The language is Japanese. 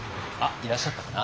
いらっしゃったかな？